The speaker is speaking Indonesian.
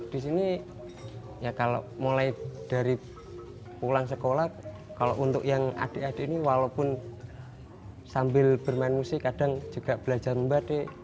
di sini ya kalau mulai dari pulang sekolah kalau untuk yang adik adik ini walaupun sambil bermain musik kadang juga belajar membatik